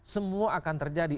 semua akan terjadi